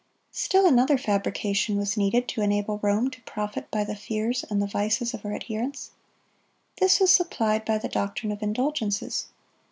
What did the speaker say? (92) Still another fabrication was needed to enable Rome to profit by the fears and the vices of her adherents. This was supplied by the doctrine of indulgences.